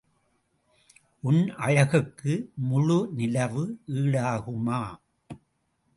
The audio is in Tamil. உன் அழகுக்கு முழு நிலவு ஈடாகுமா?